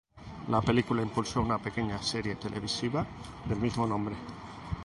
La película impulso una pequeña serie televisiva del mismo nombre.